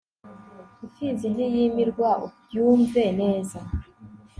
impfizi ntiyimirwa ubyumve neza